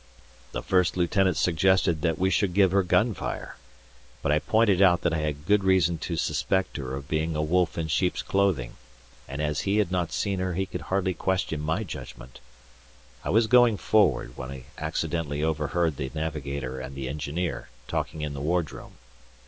The First Lieutenant suggested that we should give her gunfire, but I pointed out that I had good reason to suspect her of being a wolf in sheep's clothing, and as he had not seen her he could hardly question my judgment. I was going forward, when I accidentally overheard the Navigator and the Engineer talking in the wardroom.